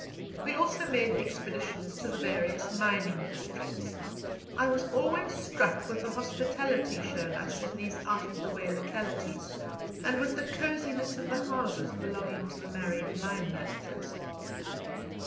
We also made expeditions to the various mining districts. I was always struck with the hospitality shown us in these out of the way localities, and with the cosiness of the houses belonging to the married mine managers.